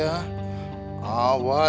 awas ya tinggal li